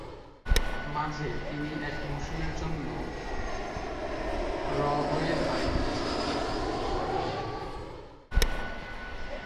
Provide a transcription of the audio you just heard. মাঝে তিনি এক মৌসুমের জন্য র হয়ে ধারে খেলেছেন।